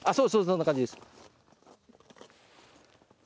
そんな感じです。